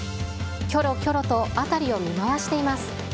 きょろきょろと辺りを見回しています。